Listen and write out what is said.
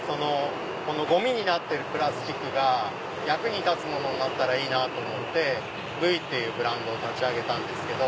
ゴミになってるプラスチックが役に立つものになったらいいなと思って「ブイ」っていうブランドを立ち上げたんですけど。